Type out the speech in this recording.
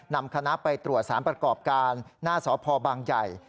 นำคณะไปตรวจสารประกอบการหน้าสพบางใหญ่